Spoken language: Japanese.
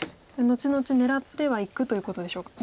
後々狙ってはいくということでしょうか。